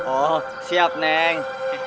oh siap neng